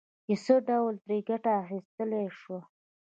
چې څه ډول ترې ګټه اخيستلای شو.